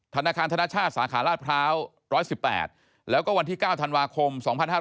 ธนาคารธนชาติสาขาราชพร้าว๑๑๘แล้วก็วันที่๙ธันวาคม๒๕๕๙